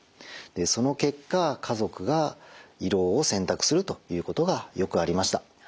その結果家族が胃ろうを選択するということがよくありました。